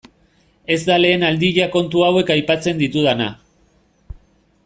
Ez da lehen aldia kontu hauek aipatzen ditudana.